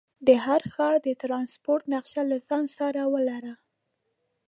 د هر ښار د ټرانسپورټ نقشه له ځان سره ولره.